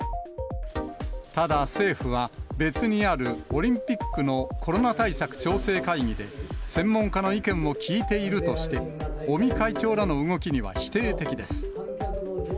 ただ、政府は、別にあるオリンピックのコロナ対策調整会議で、専門家の意見を聞いているとして、尾身会長らの動きには否定的です。